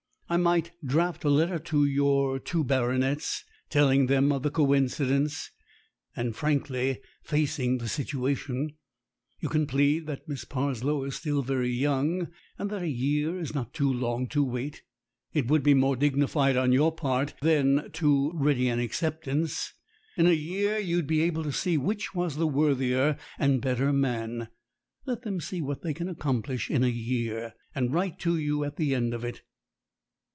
I might draft a letter to your two baronets, telling them of the coincidence, and frankly facing the situation. You can plead that Miss Parslow is still very young, and that a year is not long to wait. It would be more dignified on your part than too ready an acceptance. In a year you would be able to see which was the worthier and better man. Let them see what they can accomplish in a year, and write to you at the end of it."